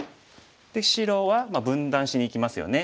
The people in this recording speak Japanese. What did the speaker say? で白は分断しにいきますよね。